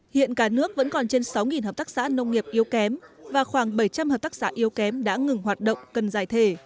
hiện cả nước vẫn còn trên sáu hợp tác xã nông nghiệp yếu kém và khoảng bảy trăm linh hợp tác xã yếu kém đã ngừng hoạt động cần giải thể